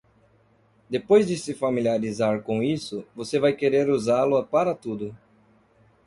Depois de se familiarizar com isso, você vai querer usá-lo para tudo.